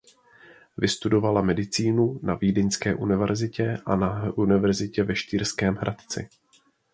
Vystudovala medicínu na Vídeňské univerzitě a na Univerzitě ve Štýrském Hradci.